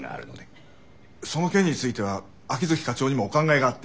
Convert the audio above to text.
その件については秋月課長にもお考えがあって。